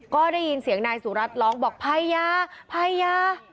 ก็ได้ยินเสียงนายสุรัตน์ร้องบอกภรรยาภัยยา